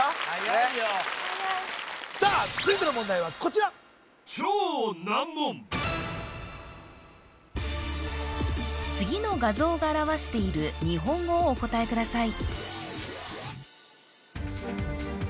はやいよさあ続いての問題はこちら次の画像が表している日本語をお答えください